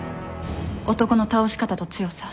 男の倒し方と強さ。